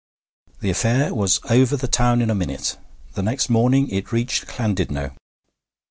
The affair was over the town in a minute; the next morning it reached Llandudno.